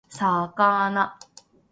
魚